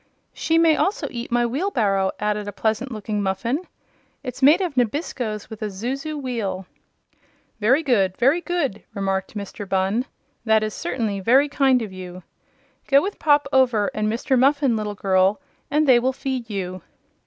"She may also eat my wheelbarrow," added a pleasant looking Muffin. "It's made of nabiscos with a zuzu wheel." "Very good; very good," remarked Mr. Bunn. "That is certainly very kind of you. Go with Pop Over and Mr. Muffin, little girl, and they will feed you."